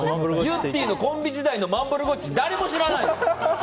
ゆってぃのコンビ時代のマンブルゴッチは誰も知らないよ！